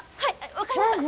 分かりました。